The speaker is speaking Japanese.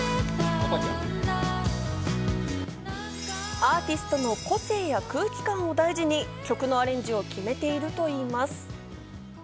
アーティストの個性や空気感を大事に曲のアレンジを決めているといいます。